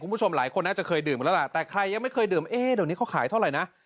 คุณผู้ชมหลายคนน่าจะเคยดื่มมาแล้วล่ะแต่ใครยังไม่เคยดื่มเอ๊ะเดี๋ยวนี้เขาขายเท่าไหร่นะ